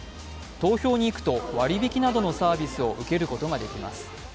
投票に行くと割引などのサービスを受けることができます。